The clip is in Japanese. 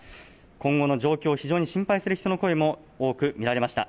今後の状況を非常に心配する人の声も多く見られました。